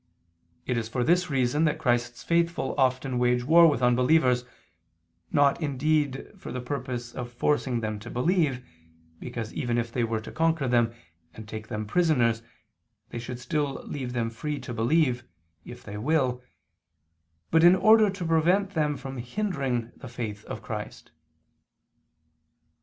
It is for this reason that Christ's faithful often wage war with unbelievers, not indeed for the purpose of forcing them to believe, because even if they were to conquer them, and take them prisoners, they should still leave them free to believe, if they will, but in order to prevent them from hindering the faith of Christ.